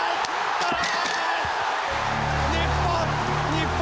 日本！